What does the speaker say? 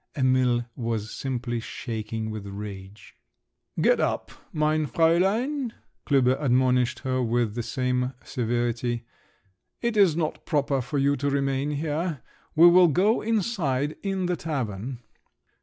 Emil was simply shaking with rage. "Get up, mein Fräulein," Klüber admonished her with the same severity, "it is not proper for you to remain here. We will go inside, in the tavern!"